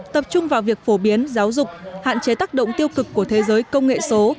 tập trung vào việc phổ biến giáo dục hạn chế tác động tiêu cực của thế giới công nghệ số